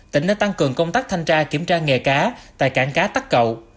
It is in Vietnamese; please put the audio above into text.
tỉnh đã tăng cường công tác thanh tra kiểm tra nghề cá tại cảng cá tắc cậu